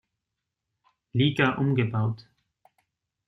Liga umgebaut.